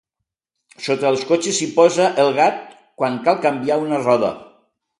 Sota els cotxes s'hi posa el gat quan cal canviar una roda.